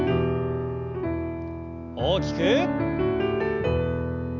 大きく。